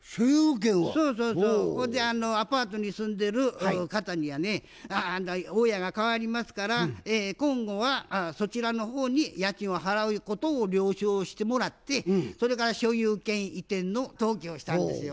アパートに住んでる方にやね大家がかわりますから今後はそちらの方に家賃を払うことを了承してもらってそれから所有権移転の登記をしたんですよ。